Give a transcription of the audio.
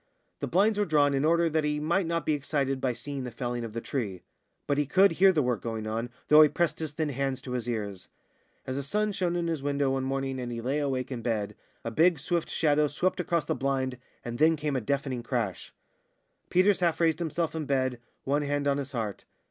The blinds were drawn in order that he might not be excited by seeing the felling of the tree; but he could hear the work going on, though he pressed his thin hands to his ears. As the sun shone in at his window one morning, and he lay awake in bed, a big, swift shadow swept across the blind, and then came a deafening crash. Peters half raised himself in bed, one hand on his heart.